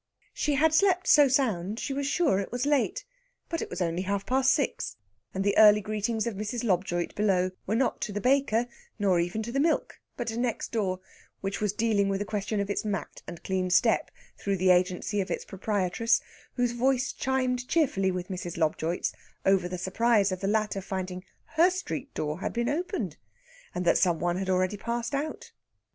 She had slept so sound she was sure it was late. But it was only half past six, and the early greetings of Mrs. Lobjoit below were not to the baker, nor even to the milk, but to next door, which was dealing with the question of its mat and clean step through the agency of its proprietress, whose voice chimed cheerfully with Mrs. Lobjoit's over the surprise of the latter finding her street door had been opened, and that some one had already passed out.